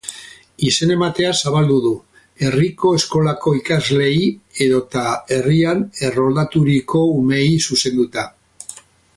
Izen ematea zabaldu du, herriko eskolako ikasleei edota herrian erroldaturiko umeei zuzenduta.